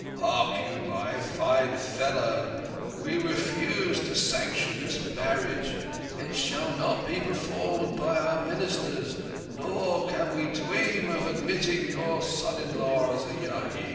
Hark you, my fine fellow, we re fuse to sanction this marriage ; it shall not be performed by our ministers, nor can we dream of admitting your son in law as a Yahid."